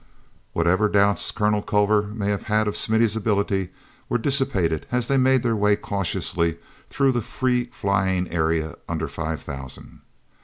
hatever doubts Colonel Culver may have had of Smithy's ability were dissipated as they made their way cautiously through the free flying area under five thousand.